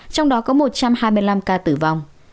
trong đó có một trăm hai mươi năm ca tử vong